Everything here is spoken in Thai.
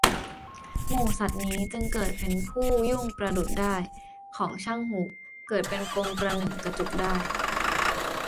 หมู่สัตว์นี้ จึงเกิดเป็นผู้ยุ่งประดุจด้ายของช่างหูก เกิดเป็นปมประหนึ่งกระจุกด้าย